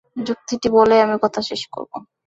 যুক্তিটি বলেই আমি কথা শেষ করব।